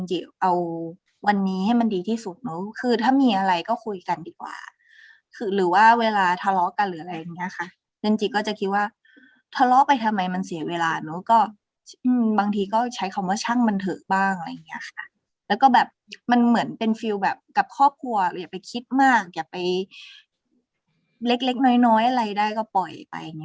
เอาวันนี้ให้มันดีที่สุดเนอะคือถ้ามีอะไรก็คุยกันดีกว่าคือหรือว่าเวลาทะเลาะกันหรืออะไรอย่างเงี้ยค่ะนั่นจิก็จะคิดว่าทะเลาะไปทำไมมันเสียเวลาเนอะก็บางทีก็ใช้คำว่าช่างมันเถอะบ้างอะไรอย่างเงี้ยค่ะแล้วก็แบบมันเหมือนเป็นฟิลแบบกับครอบครัวอย่าไปคิดมากอย่าไปเล็กเล็กน้อยน้อยอะไรได้ก็ปล่อยไปอย่างเ